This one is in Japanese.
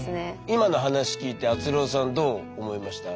今の話聞いてあつろーさんどう思いました？